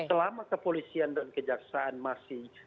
selama kepolisian dan kejaksaan masih